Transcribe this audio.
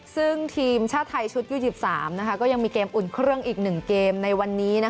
ซึ่งทีมชาติไทยชุดยู๒๓ก็ยังมีเกมอุ่นเครื่องอีก๑เกมในวันนี้